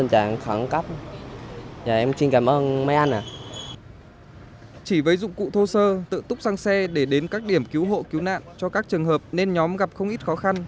chỉ với dụng cụ thô sơ tự túc sang xe để đến các điểm cứu hộ cứu nạn cho các trường hợp nên nhóm gặp không ít khó khăn